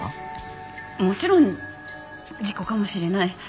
もちろん事故かもしれない。